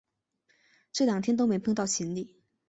这两天都没碰到行李